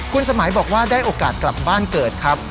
คุณสมัยบอกว่าได้โอกาสกลับบ้านเกิดครับ